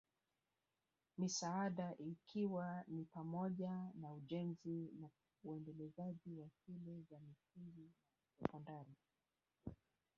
Misaada ikiwa ni pamoja na ujenzi na uendelezaji wa shule za msingi na sekondari